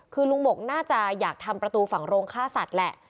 คือลุงบกน่าจะอยากทำประตูฝั่งโรงฆ่าสัตว์แหละ